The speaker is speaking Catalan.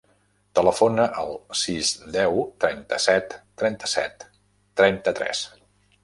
Telefona al sis, deu, trenta-set, trenta-set, trenta-tres.